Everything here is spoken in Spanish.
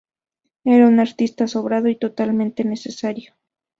Era un artista sobrado y totalmente necesario.